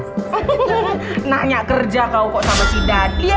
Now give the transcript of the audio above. nanya kerja kau kok sama si dadi ya